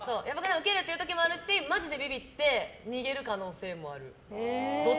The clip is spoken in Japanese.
ウケるって時もあるけどマジでビビって逃げる可能性もある。